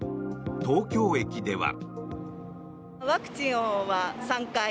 東京駅では。